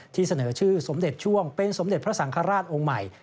เสนอชื่อสมเด็จช่วงเป็นสมเด็จพระสังฆราชองค์ใหม่